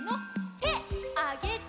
てあげて！